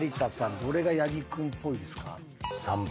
どれが八木君っぽいですか？